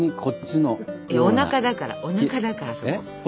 おなかだからおなかだからそこ。